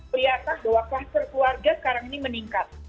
kelihatan bahwa kluster keluarga sekarang ini meningkat